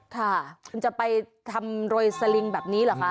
ค่ะคุณจะไปทำโรยสลิงแบบนี้เหรอคะ